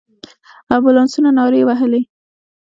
امبولانسونو نارې وهلې.